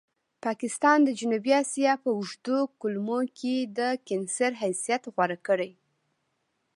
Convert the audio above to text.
پاکستان د جنوبي اسیا په اوږدو کولمو کې د کېنسر حیثیت غوره کړی.